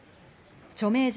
著名人